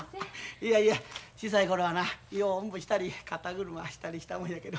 いやいや小さい頃はなようおんぶしたり肩車したりしたもんやけど。